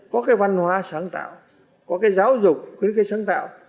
có cái văn hóa sáng tạo có cái giáo dục khuyến khích sáng tạo